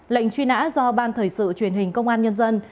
lệnh truy nã do ban thời sự truyền hình công an nhân dân